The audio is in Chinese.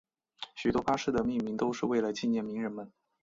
许多巴士的命名都是为了纪念名人们。